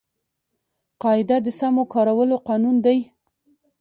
قاعده د سمو کارولو قانون دئ.